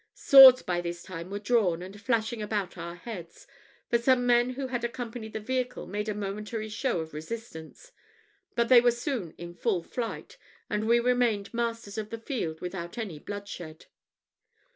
Swords by this time were drawn and flashing about our heads; for some men who had accompanied the vehicle made a momentary show of resistance; but they were soon in full flight, and we remained masters of the field without any bloodshed.